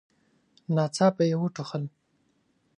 ناڅاپه يې وټوخل.